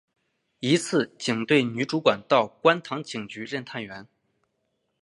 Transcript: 一次警队女主管到观塘警局任探员。